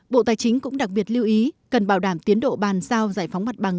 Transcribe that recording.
bộ tài chính cũng đặc biệt lưu ý cần bảo đảm tiến độ bàn giao giải phóng mặt bằng